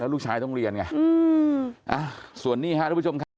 ลูกชายต้องเรียนไงส่วนนี้ครับทุกผู้ชม